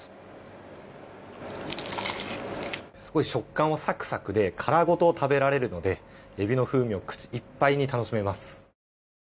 食感サクサクで皮ごと食べられるのでエビの風味を口いっぱいに楽しめます。